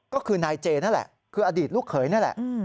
ก็คือนายเจนั่นแหละคืออดีตลูกเขยนี่แหละ